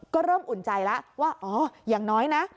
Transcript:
ก็เริ่มอุ่นใจแล้วว่าอ๋ออย่างน้อยนะ